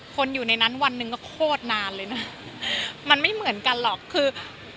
คนอยู่ในนั้นวันหนึ่งก็โคตรนานเลยนะมันไม่เหมือนกันหรอกคือ